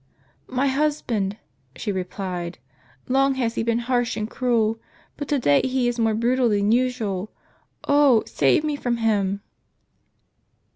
"My husband," she replied; "long has he been harsh and cruel, but to day he is more brutal than usual. Oh, save me from him